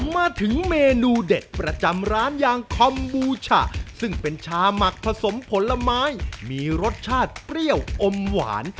มาถึงเมนูเด็ดประจำร้านยางคอมบูฉะซึ่งเป็นชาหมักผสมผลไม้มีรสชาติเปรี้ยวอมหวาน